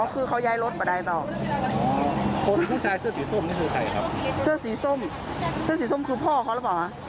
แล้วเขาฆ่าเสียหายเขาชดใช้อะไรหมดนะครับ